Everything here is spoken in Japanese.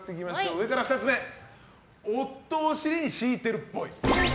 上から２つ目夫を尻に敷いてるっぽい。